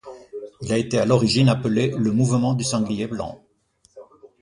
Il a été à l'origine appelé le mouvement du Sanglier blanc.